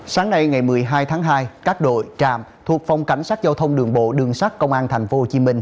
sáng nay ngày một mươi hai tháng hai các đội trạm thuộc phòng cảnh sát giao thông đường bộ đường sát công an tp hcm